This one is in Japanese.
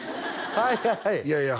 はいはいいやいや